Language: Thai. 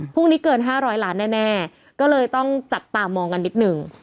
พรุ่งนี้เกิน๕๐๐ล้านแน่ก็เลยต้องจัดตามองกันนิดหนึ่ง